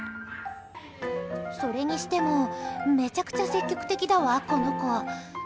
それにしても、めちゃくちゃ積極的だわ、この子。